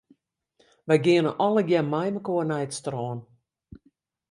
Wy geane allegear meimekoar nei it strân.